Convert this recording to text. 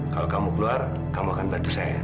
kalau kamu keluar kamu akan bantu saya